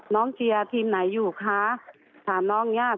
น้องเจียร์ทีมไหนอยู่คะถามน้องเนี่ย